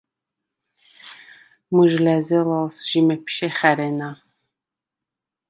მჷჟ ლა̈ზელალს ჟი მეფშე ხა̈რენა.